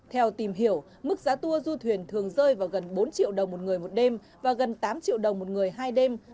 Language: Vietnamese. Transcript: theo tìm hiểu mức giá tour du thuyền thường rơi vào gần bốn triệu đồng một người một đêm và gần tám triệu đồng một người hai đêm